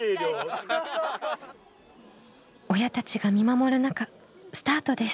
親たちが見守る中スタートです。